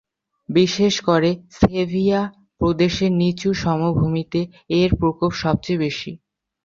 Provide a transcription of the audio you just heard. বিশেষ করে সেভিয়া প্রদেশের নিচু সমভূমিতে এর প্রকোপ সবচেয়ে বেশি।